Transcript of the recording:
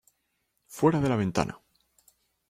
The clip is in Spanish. ¡ Fuera de la ventana!